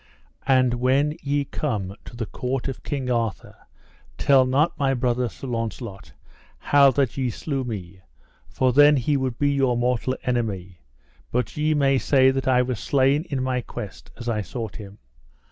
And when ye come to the court of King Arthur tell not my brother, Sir Launcelot, how that ye slew me, for then he would be your mortal enemy, but ye may say that I was slain in my quest as I sought him.